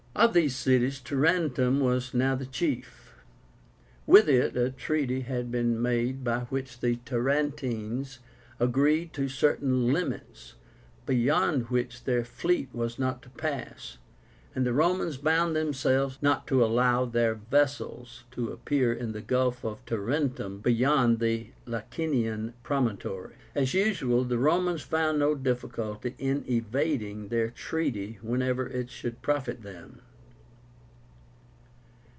Of these cities TARENTUM was now the chief. With it a treaty had been made by which the Tarentines agreed to certain limits beyond which their fleet was not to pass, and the Romans bound themselves not to allow their vessels to appear in the Gulf of Tarentum beyond the Lacinian promontory. As usual, the Romans found no difficulty in evading their treaty whenever it should profit them.